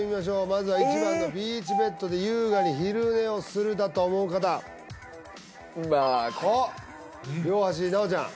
まずは１番のビーチベッドで優雅に昼寝をするだと思う方あっ奈央ちゃん